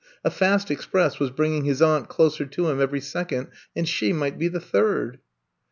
A fast express was bringing his aunt closer to him every second and she might be the third.